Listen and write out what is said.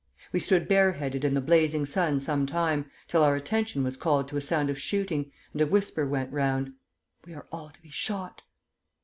We stood bare headed in the blazing sun some time, till our attention was called to a sound of shooting, and a whisper went round: 'We are all to be shot.'